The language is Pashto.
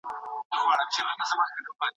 بخت مي لکه ستوری د یوسف دی ځلېدلی